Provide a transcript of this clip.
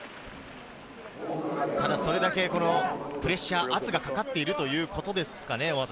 それだけプレッシャー、圧がかかっているということですかね。